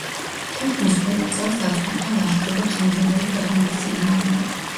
თითქმის ყოველ წელს აწყობდა ლაშქრობებს მეზობელი ქვეყნების წინააღმდეგ.